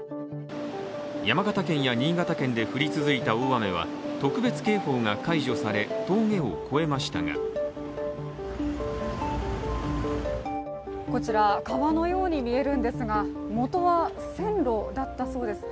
山形県や新潟県で降り続いた大雨は特別警報が解除され、峠を越えましたがこちら、川のように見えるんですが元は線路だったそうです。